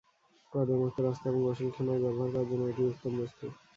কর্দমাক্ত রাস্তা এবং গোসলখানায় ব্যবহার করার জন্য এটিই উত্তম বস্তু।